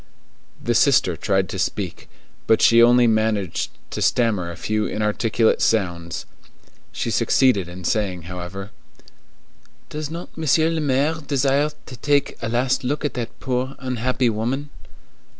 The sister tried to speak, but she only managed to stammer a few inarticulate sounds. She succeeded in saying, however:— "Does not Monsieur le Maire desire to take a last look at that poor, unhappy woman?"